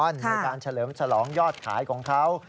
ในการเฉลิมฉลองยอดขายของเขา